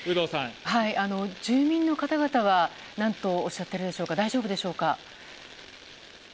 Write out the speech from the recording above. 住民の方々は何とおっしゃっているでしょうか大丈夫でしょうか。